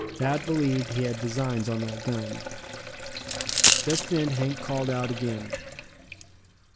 Thad believed he had designs on that gun. Just then Hank called out again.